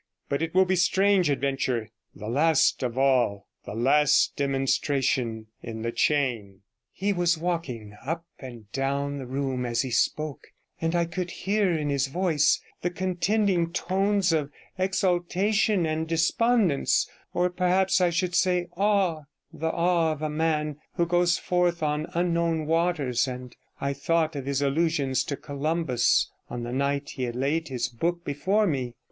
But it will be a strange adventure, the last of all, the last demonstration in the chain.' He was walking up and down the room as he spoke, and I could hear in his voice the contending tones of exultation and despondence, or perhaps I should say awe, the awe of a man who goes forth on unknown waters, and I thought of his allusion to Columbus on the night he had laid his book before me.